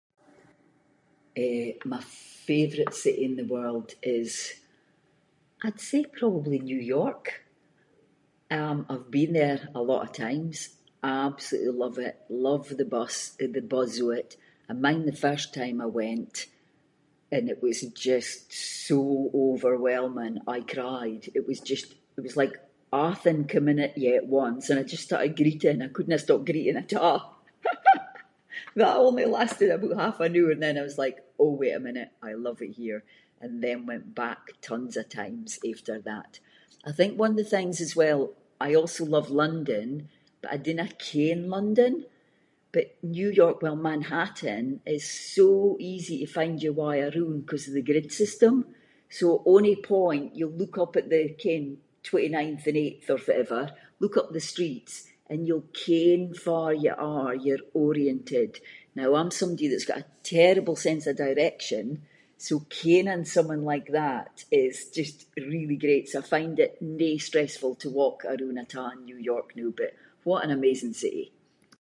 Eh, my favourite city in the world is- I’d say probably New York, um, I’ve been there a lot of times, I absolutely love it, love the bus- the buzz of it. I mind the first time I went, and it was just so overwhelming, I cried, it was just, it was like athing coming at you at once, and I just started greeting and I couldnae stop greeting at a’ but that only lasted aboot half an hour and then I was like, oh wait a minute, I love it here, and then went back tons of times after that. I think one of the things as well, I also love London but I dinna ken London, but New York, well Manhattan, is so easy to find your way aroond ‘cause of the grid system, so ony point you’ll look up at the, ken, twenty-ninth and eighth or fittever, look up the streets, and you’ll ken farr you are, you’re oriented. Now I’m somebody that’s got a terrible sense of direction, so kenning something like that is just really great, so I find it no stressful to walk aroond at a’ in New York noo, but what an amazing city.